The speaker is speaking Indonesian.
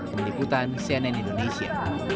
meniputan cnn indonesia